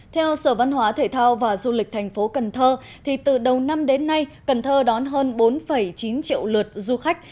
theo sở văn hóa thể thao và du lịch thành phố cần thơ từ đầu năm đến nay cần thơ đón hơn bốn chín triệu lượt du khách